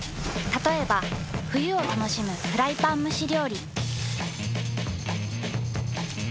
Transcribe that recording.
たとえば冬を楽しむフライパン蒸し料理。